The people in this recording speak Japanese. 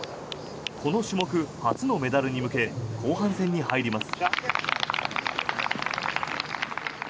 この種目初のメダルに向け後半戦に入ります。